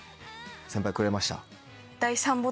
先輩くれました？